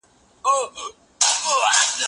که پانګه راکده پاته نسي اقتصاد به ډيره وده وکړي.